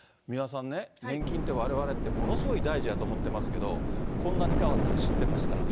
三輪さんね、年金って、われわれってものすごい大事やと思ってますけど、こんなに変わったの知ってました？